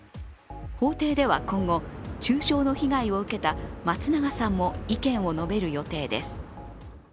法廷では今後、中傷の被害を受けた松永さんも意見を述べる予定です。